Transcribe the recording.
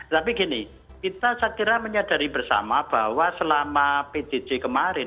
tapi gini kita saya kira menyadari bersama bahwa selama pjj kemarin